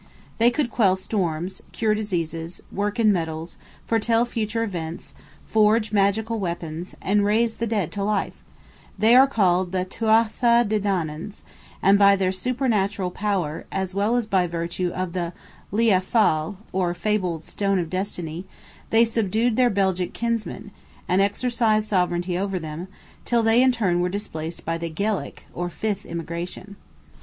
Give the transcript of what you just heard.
They could quell storms; cure diseases; work in metals; foretell future events; forge magical weapons; and raise the dead to life; they are called the Tuatha de Danans, and by their supernatural power, as well as by virtue of "the Lia Fail," or fabled "stone of destiny," they subdued their Belgic kinsmen, and exercised sovereignty over them, till they in turn were displaced by the Gaelic, or fifth immigration.